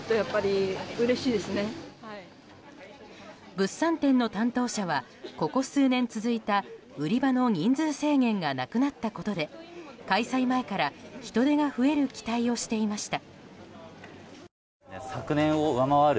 物産展の担当者はここ数年続いた売り場の人数制限がなくなったことで開催前から人出が増える期待をしていました。